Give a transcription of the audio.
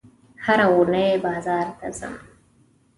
هره اونۍ بازار ته ځم